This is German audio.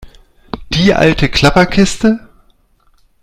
Die alte Klapperkiste?